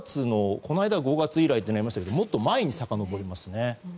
この間は５月以来になりましたがもっと前にさかのぼりますね。